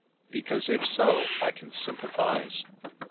"Because if so, I can sympathise.